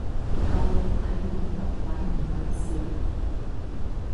告要睇露得猥唔猥褻